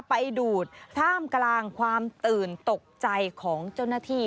ไปดูดท่ามกลางความตื่นตกใจของเจ้าหน้าที่